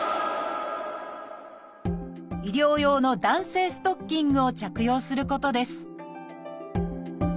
医療用の弾性ストッキングを着用することです